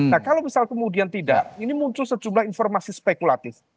nah kalau misal kemudian tidak ini muncul sejumlah informasi spekulatif